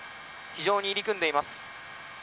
非常に入り組んでいます。